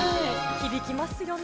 響きますよね。